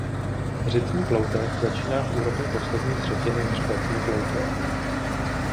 Řitní ploutev začíná v úrovni poslední třetiny hřbetní ploutve.